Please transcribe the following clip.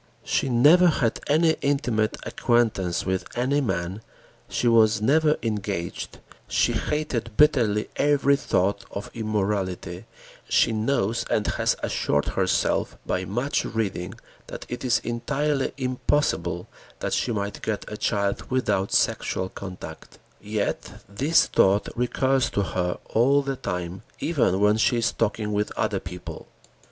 She never had any intimate acquaintance with any man, she was never engaged, she hated bitterly every thought of immorality, she knows and has assured herself by much reading that it is entirely impossible that she might get a child without sexual contact. Yet this thought recurs to her all the time, even when she is talking with other people.